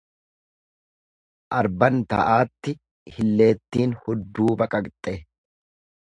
Arban ta'aatti hilleettiin hudduu baqaqxe.